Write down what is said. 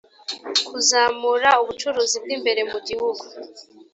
kuzamura ubucuruzi bw imbere mu gihugu